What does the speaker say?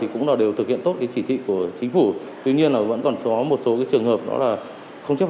cũng đều thực hiện tốt chỉ thị của chính phủ tuy nhiên vẫn còn có một số trường hợp không chấp